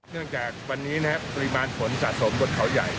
จากวันนี้นะครับปริมาณฝนสะสมบนเขาใหญ่